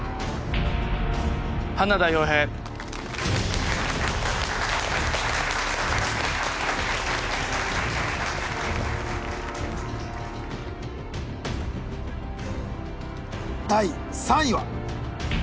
花田洋平第３位は？